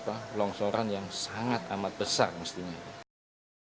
apakah akibat dari longsoran yang besar di tubuh gunung tubuh anak gunung rakatao atau ada hal lain